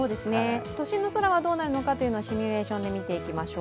都心の空はどうなるのか、シミュレーションで見ていきましょう。